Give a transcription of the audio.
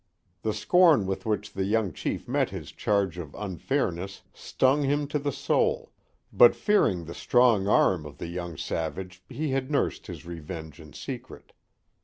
The scorn with which the young chief met his charge of unfairness stung him to the soul, but fearing the strong arm of the young savage he had nursed his revenge in secret.